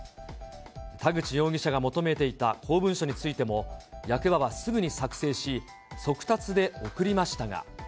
田口容疑者が求めていた公文書についても、役場はすぐに作成し、速達で送りましたが。